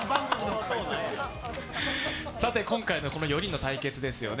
さて、今回のこの４人の対決ですよね。